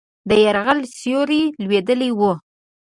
د یرغل سیوری لوېدلی وو.